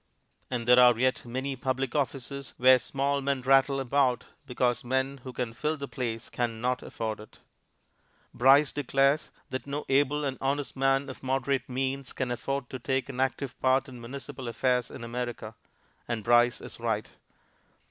And there are yet many public offices where small men rattle about because men who can fill the place can not afford it. Bryce declares that no able and honest man of moderate means can afford to take an active part in municipal affairs in America and Bryce is right.